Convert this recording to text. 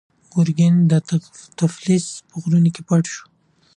ګورګین د تفلیس په غرونو کې پټ شوی و.